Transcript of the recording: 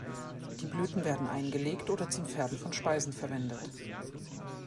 Die Blüten werden eingelegt oder zum Färben von Speisen verwendet.